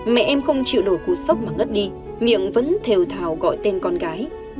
mẹ em không chịu đổi cú sốc mà ngất đi miệng vẫn thèo thào gọi tên con gái